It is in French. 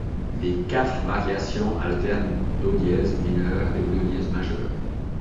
Les quatre variations alternent do dièse mineur avec do dièse majeur.